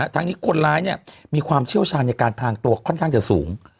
ทั้งนี้คนร้ายมีความเชี่ยวชาญในการพลางตัวค่อนข้างจะสูง